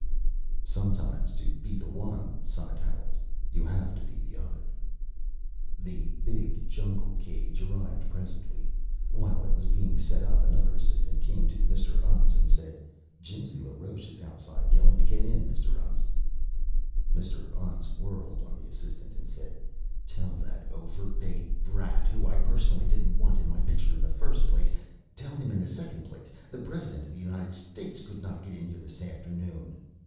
"Sometimes to be the one," sighed Harold, "you have to be the other." The big jungle cage arrived presently. While it was being set up another assistant came to Mr. Untz and said, "Jimsy LaRoche is outside, yelling to get in, Mr. Untz." Mr. Untz whirled on the assistant and said, "Tell that overpaid brat who I personally didn't want in my picture in the first place tell him in the second place the President of the United States could not get in here this afternoon.